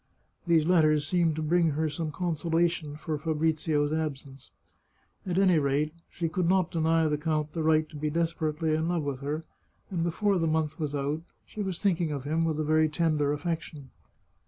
These letters seemed to bring her some consolation for Fabrizio's absence. At any rate, she could not deny the count the right to be desperately in love with her, and be fore the month was out she was thinking of him with a very tender affection.